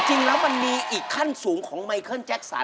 จริงแล้วมันมีอีกขั้นสูงของไมเคิลแจ็คสัน